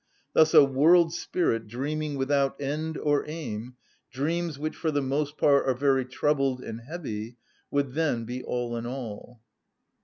Thus a world‐spirit dreaming without end or aim, dreams which for the most part are very troubled and heavy, would then be all in all.